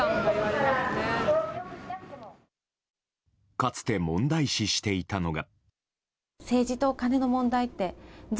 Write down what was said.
かつて問題視していたのが。